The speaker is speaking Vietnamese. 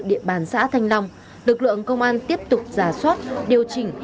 địa bàn xã thanh long lực lượng công an tiếp tục giả soát điều chỉnh